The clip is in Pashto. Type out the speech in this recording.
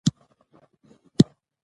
دغه بهير بايد سمون ومومي